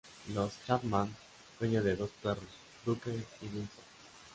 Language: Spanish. Los Chapman dueño de dos perros, Duke y Winston.